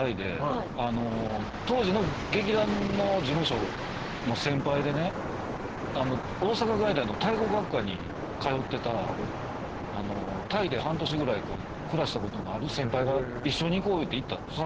当時の劇団の事務所の先輩でね大阪外大のタイ語学科に通ってたタイで半年ぐらい暮らしたことのある先輩が一緒に行こう言うて行ったんです。